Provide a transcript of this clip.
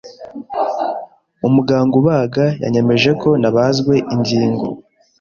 Umuganga ubaga yanyemeje ko nabazwe ingingo.